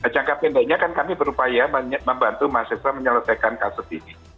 jangka pendeknya kan kami berupaya membantu mahasiswa menyelesaikan kasus ini